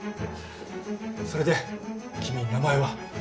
それで君名前は？